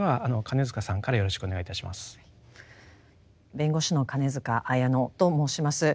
弁護士の金塚彩乃と申します。